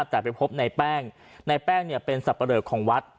แต่ไปพบในแป้งในแป้งเนี่ยเป็นสับปะเลอของวัด